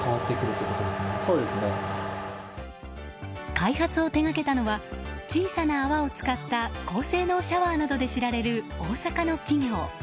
開発を手掛けたのは小さな泡を使った高性能シャワーなどで知られる大阪の企業。